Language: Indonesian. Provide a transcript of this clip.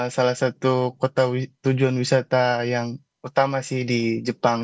salah satu kota tujuan wisata yang utama sih di jepang